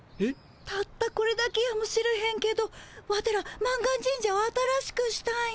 たったこれだけやもしれへんけどワテら満願神社を新しくしたんよ。